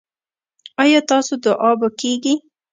ایا ستاسو دعا به کیږي؟